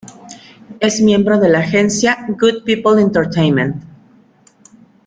Es miembro de la agencia "Good People Entertainment".